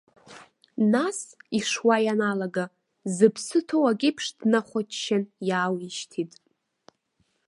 Нас, ишуа ианалага, зыԥсы ҭоу акеиԥш днахәаччан иаауишьҭит.